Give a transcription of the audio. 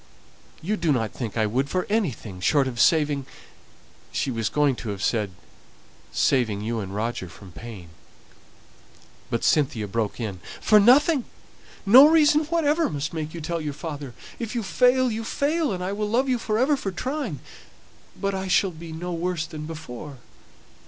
You do not think I would for anything short of saving " She was going to have said, "saving you and Roger from pain." But Cynthia broke in, "For nothing. No reason whatever must make you tell your father. If you fail, you fail, and I will love you for ever for trying; but I shall be no worse off than before.